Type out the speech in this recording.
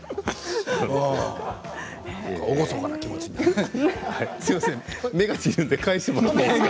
厳かな気持ちになります。